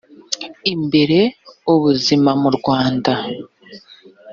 imbere ubuzima mu rwanda